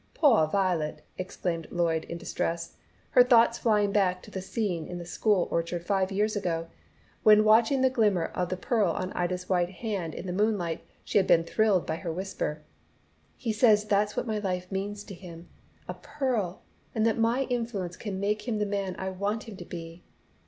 "Poah Violet!" exclaimed Lloyd in distress, her thoughts flying back to the scene in the school orchard five years ago, when watching the glimmer of the pearl on Ida's white hand in the moonlight she had been thrilled by her whisper: "He says that's what my life means to him a pearl; and that my influence can make him the man I want him to be.